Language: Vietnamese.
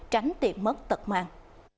tránh tiền mất tật mang